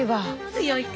強いか。